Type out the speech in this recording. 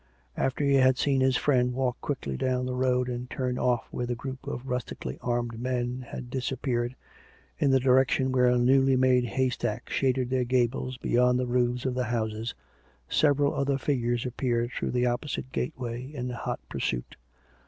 After he had seen his friend walk quickly down the road and turn off where the group of rustically armed men had disap peared in the direction where newly made haystacks shaded their gables beyond the roofs of the houses, several other figures appeared through the opposite gateway in hot pur suit.